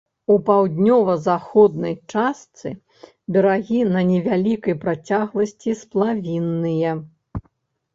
У паўднёва заходняй частцы берагі на невялікай працягласці сплавінныя.